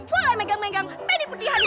kau lah megang megang penny putrihani